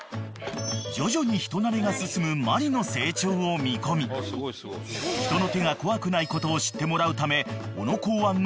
［徐々に人馴れが進むマリの成長を見込み人の手が怖くないことを知ってもらうため］